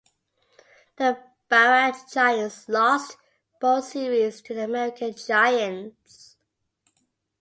The Bacharach Giants lost both series to the American Giants.